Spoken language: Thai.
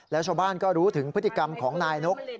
แล้วชาวบ้านก็รู้ถึงพฤติกรรมของนายนก